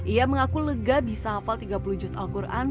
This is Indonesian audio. ia mengaku lega bisa hafal tiga puluh juz al quran